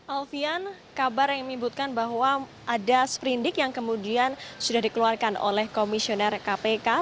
alfian kabar yang memibutkan bahwa ada seprindik yang kemudian sudah dikeluarkan oleh komisioner komisi korupsi atau kpk